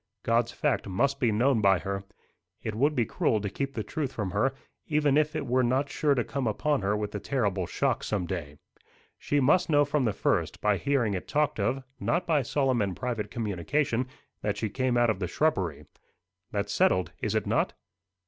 God's fact must be known by her. It would be cruel to keep the truth from her, even if it were not sure to come upon her with a terrible shock some day. She must know from the first, by hearing it talked of not by solemn and private communication that she came out of the shrubbery. That's settled, is it not?"